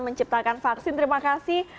menciptakan vaksin terima kasih